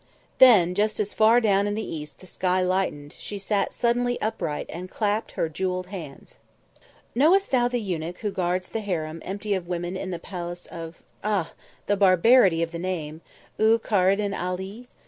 Then, just as far down in the east the sky lightened, she sat suddenly upright and clapped her jewelled hands. "Know'st thou the eunuch who guards the harem empty of women in the palace of ah! the barbarity of the name! E'u Car r den Ali?